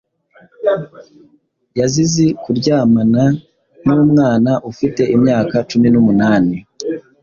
yazizi kuryamana numwana ufite imyaka cumi numunani